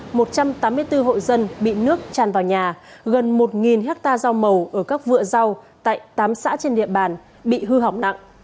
một trăm tám mươi bốn hộ dân bị nước tràn vào nhà gần một hectare rau màu ở các vựa rau tại tám xã trên địa bàn bị hư hỏng nặng